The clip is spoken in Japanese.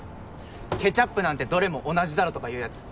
ケチャップなんてどれも同じだろとかいうヤツ